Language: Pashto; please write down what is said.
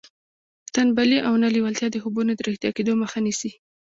تنبلي او نه لېوالتیا د خوبونو د رښتیا کېدو مخه نیسي